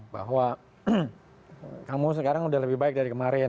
bahwa kamu sekarang udah lebih baik dari kemarin